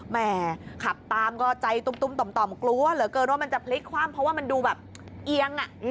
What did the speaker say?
แหมขับตามก็ใจตุ้มต่อกลัวเหลือเกินที่มันจะพลิกความเพราะดูเหยี้ยง